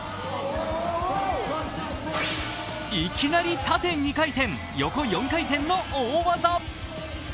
いきなり縦２回転、横４回転の大技。